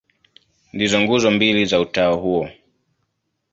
Ndizo nguzo mbili za utawa huo.